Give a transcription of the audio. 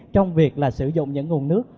trong việc là sử dụng những nguồn nước